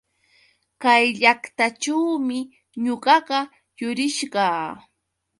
Kay llaqtaćhuumi ñuqaqa yurirqaa.